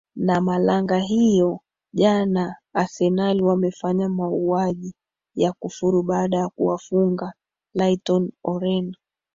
na malaga hiyo jana asernali wamefanya mauwaji ya kufuru baada ya kuwafunga lyton oren